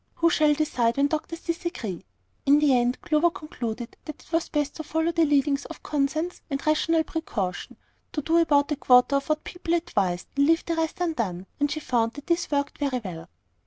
"Who shall decide when doctors disagree?" In the end Clover concluded that it was best to follow the leadings of commonsense and rational precaution, do about a quarter of what people advised, and leave the rest undone; and she found that this worked very well.